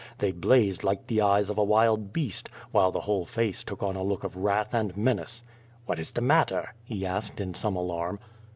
They blazed like the eyes of a wild beast, while the whole face took on a look of wrath and menace. Wliat is the matter?" he asked, in some alarm.